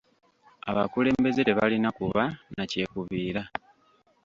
Abakulembeze tebalina kuba na kyekubiira.